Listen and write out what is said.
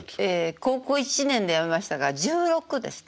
高校１年でやめましたから１６ですね。